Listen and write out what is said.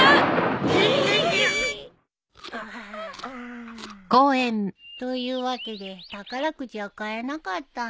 ヒィッ！というわけで宝くじは買えなかったんだ。